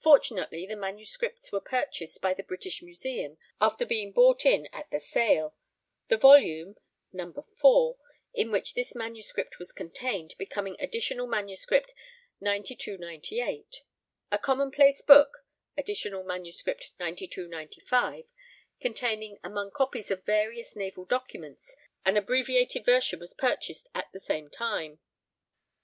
Fortunately the manuscripts were purchased by the British Museum after being bought in at the sale; the volume (No. IV) in which this manuscript was contained becoming Additional MS. 9298. A commonplace book (Additional MS. 9295) containing, among copies of various naval documents, an abbreviated version was purchased at the same time.